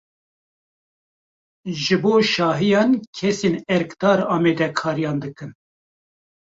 Ji bo şahiyan kesên erkdar amadekariyan dikin.